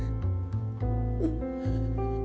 うん。